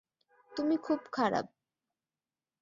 তুমি খুব খারাপ।